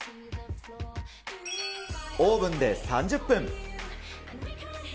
オーブンで３０分。